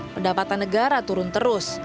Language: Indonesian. pendapatan negara turun terus